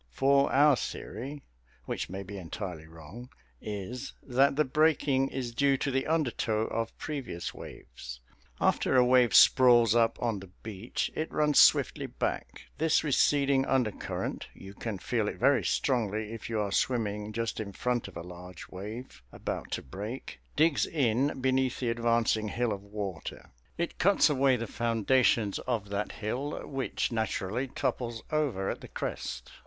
For our theory which may be entirely wrong is that the breaking is due to the undertow of previous waves. After a wave sprawls up on the beach, it runs swiftly back. This receding undercurrent you can feel it very strongly if you are swimming just in front of a large wave about to break digs in beneath the advancing hill of water. It cuts away the foundations of that hill, which naturally topples over at the crest.